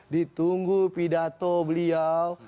ditunggu pidato beliau